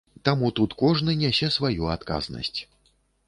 Таму, тут кожны нясе сваю адказнасць.